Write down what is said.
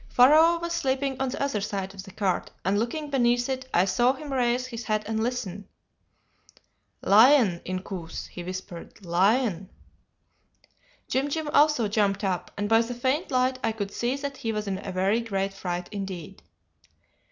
"Pharaoh was sleeping on the other side of the cart, and, looking beneath it, I saw him raise his head and listen. "'Lion, Inkoos,' he whispered, 'lion!' "Jim Jim also jumped up, and by the faint light I could see that he was in a very great fright indeed.